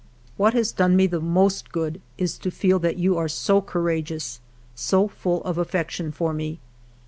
" What has done me the most good is to feel that you are so courageous, so full of affection for me.